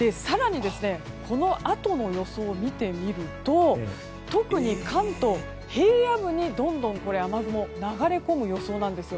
このあとの予想を見てみると特に関東、平野部にどんどん雨雲が流れ込む予想です。